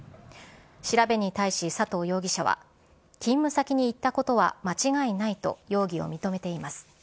調べに対し佐藤容疑者は、勤務先に行ったことは間違いないと、容疑を認めています。